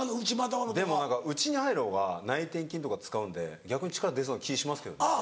でも何か内に入る方が内転筋とか使うんで逆に力出そうな気しますけどね。